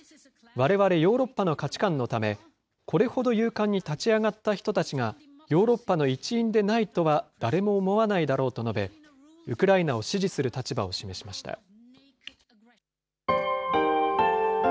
われわれヨーロッパの価値観のため、これほど勇敢に立ち上がった人たちが、ヨーロッパの一員でないとは誰も思わないだろうと述べ、ウクライナを支持する立場を示しました。